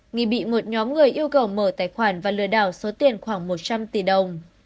nghị bị một nhóm người yêu cầu mở tài khoản và lừa đảo số tiền khoảng một trăm linh tỷ đồng